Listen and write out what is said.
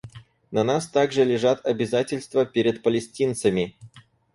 На нас также лежат обязательства перед палестинцами.